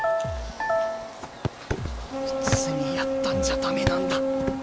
普通にやったんじゃ駄目なんだ。